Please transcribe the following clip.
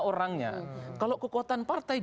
orangnya kalau kekuatan partai